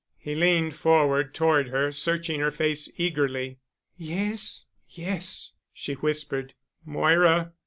He leaned forward toward her, searching her face eagerly. "Yes—yes," she whispered. "Moira!"